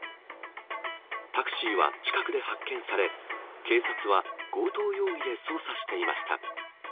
タクシーは近くで発見され、警察は強盗容疑で捜査していました。